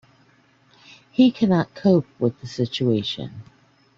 He cannot cope with the situation.'